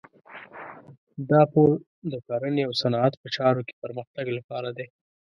دا پور د کرنې او صنعت په چارو کې پرمختګ لپاره دی.